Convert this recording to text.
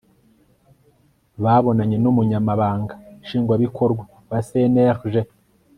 babonanye n'umunyamabanga nshingwabikorwa wa cnlg